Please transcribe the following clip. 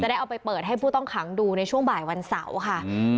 ได้เอาไปเปิดให้ผู้ต้องขังดูในช่วงบ่ายวันเสาร์ค่ะ